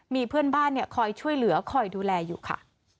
มีเพื่อนบ้านคอยช่วยเหลือคอยดูแลอยู่ค่ะ